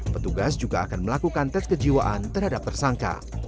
petugas juga akan melakukan tes kejiwaan terhadap tersangka